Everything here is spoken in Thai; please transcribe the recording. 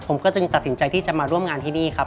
ผมก็จึงตัดสินใจที่จะมาร่วมงานที่นี่ครับ